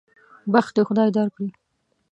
بخت دې خدای درکړي.